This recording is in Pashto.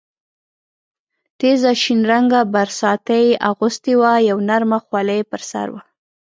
تېزه شین رنګه برساتۍ یې اغوستې وه، یوه نرمه خولۍ یې پر سر وه.